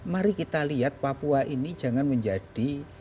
mari kita lihat papua ini jangan menjadi